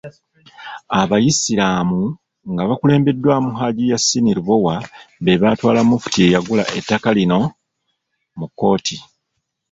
Abayisiraamu nga bakulembeddwamu Hajji Yasin Lubowa be baatwala Mufti eyagula ettaka lino mu kkooti.